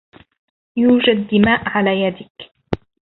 يوجد دماء على يدك